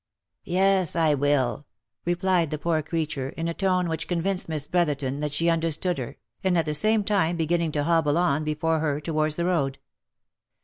" Yes, I will," replied the poor creature, in a tone which convinced Miss Brotherton that she understood her, and at the same time be ginning to hobble on before her towards the road.